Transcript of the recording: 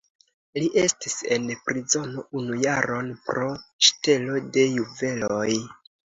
Li estis en prizono unu jaron pro ŝtelo de juveloj.